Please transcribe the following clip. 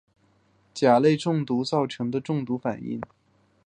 蕈类中毒造成的中毒反应。